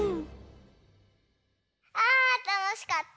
あたのしかった。